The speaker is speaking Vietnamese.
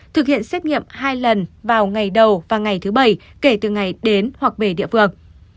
thực hiện xét nghiệm hai lần vào ngày đầu và ngày thứ bảy kể từ ngày đến hoặc về địa phương